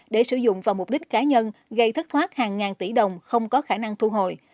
để sử dụng vào mục đích cá nhân gây thất thoát hàng ngàn tỷ đồng không có khả năng thu hồi